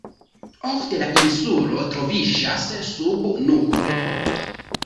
Ofte la insulo troviĝas sub nuboj.